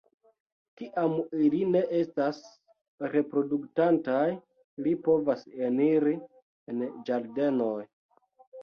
Kiam ili ne estas reproduktantaj, ili povas eniri en ĝardenoj.